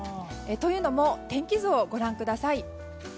というのも天気図をご覧ください。